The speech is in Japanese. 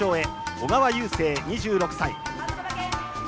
小川雄勢、２６歳。